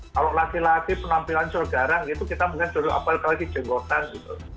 kalau laki laki penampilan curgarang gitu kita bukan jodoh apalagi jenggotan gitu